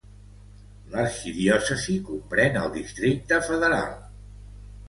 L'arxidiòcesi comprèn el Districte Federal.